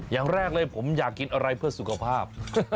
อย่างแรกเลยผมอยากกินอะไรเพื่อสุขภาพ